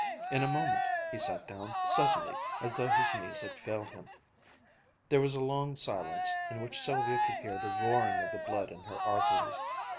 In a moment, he sat down suddenly, as though his knees had failed him. There was a long silence, in which Sylvia could hear the roaring of the blood in her arteries.